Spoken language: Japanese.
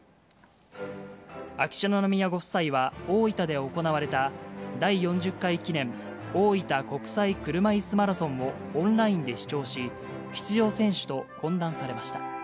秋篠宮ご夫妻は、大分で行われた、第４０回記念大分国際車いすマラソンをオンラインで視聴し、出場選手と懇談されました。